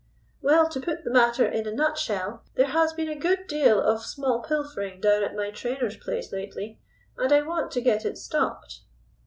"Well, to put the matter in a nutshell, there has been a good deal of small pilfering down at my trainer's place lately, and I want to get it stopped."